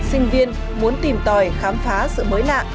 sinh viên muốn tìm tòi khám phá sự mới lạ